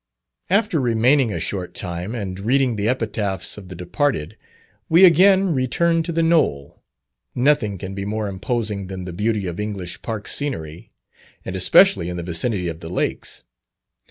After remaining a short time, and reading the epitaphs of the departed, we again returned to "The Knoll." Nothing can be more imposing than the beauty of English park scenery, and especially in the vicinity of the lakes.